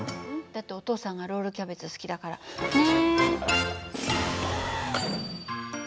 だってお父さんがロールキャベツ好きだから。ね！